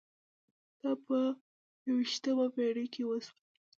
دا په یوویشتمه پېړۍ کې وشول.